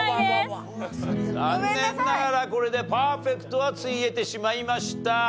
残念ながらこれでパーフェクトはついえてしまいました。